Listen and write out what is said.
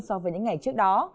so với những ngày trước đó